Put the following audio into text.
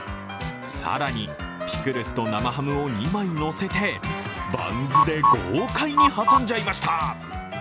更にピクルスと生ハムを２枚のせてバンズで豪快に挟んじゃいました。